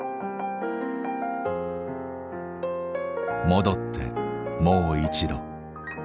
戻ってもう一度。